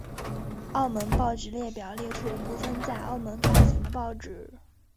澳门报纸列表列出了部分在澳门发行的报纸。